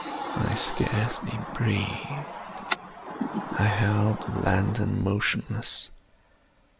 I scarcely breathed. I held the lantern motionless.